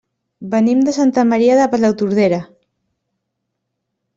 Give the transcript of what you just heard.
Venim de Santa Maria de Palautordera.